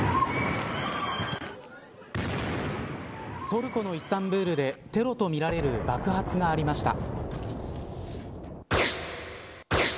トルコのイスタンブールでテロとみられる爆発がありました。